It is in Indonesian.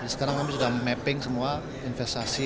sekarang kami sudah mapping semua investasi